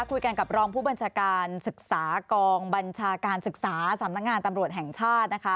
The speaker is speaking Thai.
คุยกันกับรองผู้บัญชาการศึกษากองบัญชาการศึกษาสำนักงานตำรวจแห่งชาตินะคะ